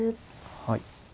はい。